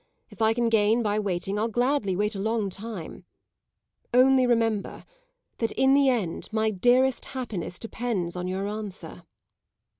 If I can gain by waiting I'll gladly wait a long time. Only remember that in the end my dearest happiness depends on your answer."